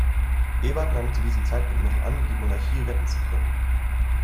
Ebert nahm zu diesem Zeitpunkt noch an, die Monarchie retten zu können.